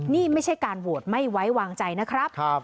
นี่ไม่ใช่การโหวตไม่ไว้วางใจนะครับ